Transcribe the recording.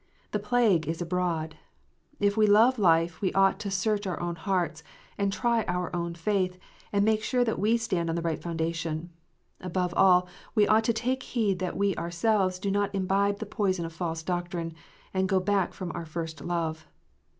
The plague is abroad. If we love life, we ought to search our own hearts, and try our own faith, and make sure that we stand on the right foundation. Above all, we ought to take heed that we ourselves do not imbibe the poison of false doctrine, and go back from our first love.